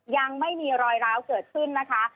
ยังไม่มีรอยร้าวเกิดขึ้นนะคะ